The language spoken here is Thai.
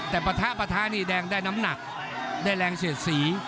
แต่ปะทะปะทะนี่แดงได้น้ำหนักได้แรงเสียดสี